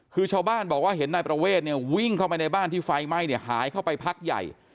คือชาวบ้านบอกว่าเห็นนายประเวทเนี่ยวิ่งเข้าไปในบ้านที่ไฟไหม้เนี่ยหายเข้าไปพักใหญ่